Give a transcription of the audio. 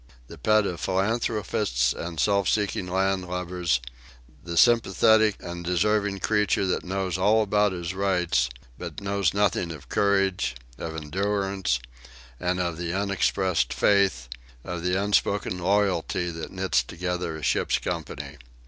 The pet of philanthropists and self seeking landlubbers. The sympathetic and deserving creature that knows all about his rights, but knows nothing of courage, of endurance, and of the unexpressed faith, of the unspoken loyalty that knits together a ship's company.